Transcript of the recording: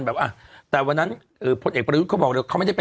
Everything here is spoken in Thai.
แบบอ่ะแต่วันนั้นอืมพลต